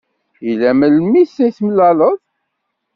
Yella melmi i t-temlaleḍ?